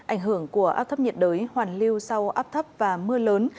ảnh hưởng của áp thấp nhiệt đới hoàn lưu sau áp thấp và mưa lớn